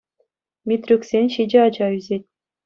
Митрюксен ҫичӗ ача ӳсет.